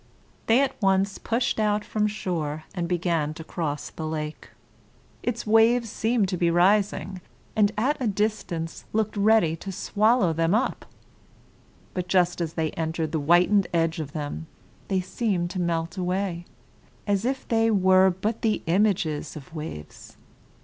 They at once pushed out from shore and began to cross the lake. Its waves seemed to be rising, and at a distance looked ready to swallow them up; but just as they entered the whitened edge of them they seemed to melt away, as if they were but the images of waves.